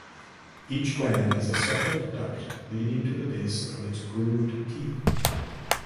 Each gland has a separate duct leading to the base of its grooved teeth.